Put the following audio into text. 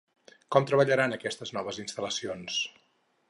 Com treballaran aquestes noves instal·lacions?